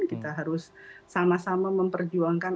kita harus sama sama memperjuangkan